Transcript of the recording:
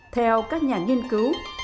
theo các nhà nghiên cứu